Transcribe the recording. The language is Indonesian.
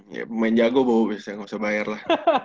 ya pemain jago bawa bisa gak usah bayar lah